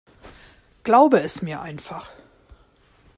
Glaube es mir einfach.